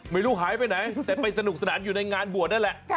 ไม่รู้หายไปไหนแต่ไปสนุกสนานอยู่ในงานบวชนั่นแหละ